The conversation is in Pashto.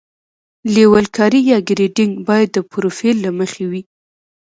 لیول کاري یا ګریډینګ باید د پروفیل له مخې وي